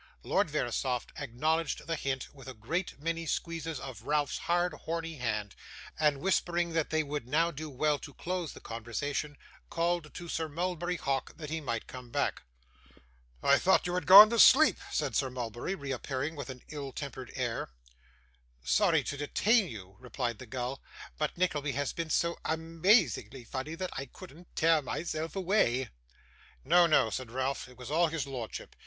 Lord Verisopht acknowledged the hint with a great many squeezes of Ralph's hard, horny hand, and whispering that they would now do well to close the conversation, called to Sir Mulberry Hawk that he might come back. 'I thought you had gone to sleep,' said Sir Mulberry, reappearing with an ill tempered air. 'Sorry to detain you,' replied the gull; 'but Nickleby has been so ama azingly funny that I couldn't tear myself away.' 'No, no,' said Ralph; 'it was all his lordship.